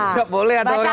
gak boleh ada orang